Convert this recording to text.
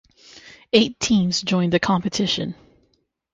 Eight teams joined the competition.